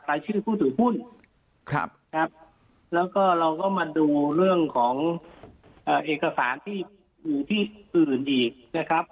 รายชื่อผู้ถือหุ้นแล้วก็เราก็มาดูเรื่องของเอกสารที่อยู่ที่อื่นอีกนะครับ